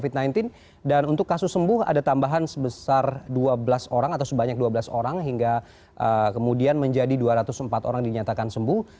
covid sembilan belas dan untuk kasus sembuh ada tambahan sebesar dua belas orang atau sebanyak dua belas orang hingga kemudian menjadi dua ratus empat orang dinyatakan sembuh